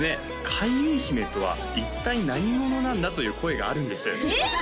開運姫とは一体何者なんだという声があるんですえっ！？